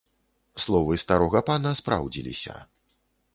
Словы старога пана спраўдзіліся.